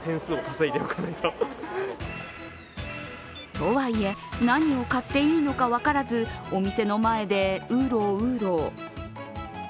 とはいえ、何を買っていいのか分からずお店の前でうろうろ。